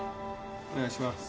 お願いします。